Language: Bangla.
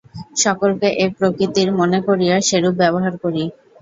সকলকে এক প্রকৃতির মনে করিয়া, সেরূপ ব্যবহার করি।